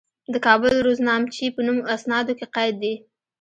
د کابل روزنامچې په نوم اسنادو کې قید دي.